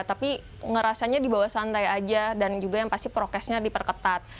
tapi ngerasanya dibawa santai aja dan juga yang pasti prokesnya diperketat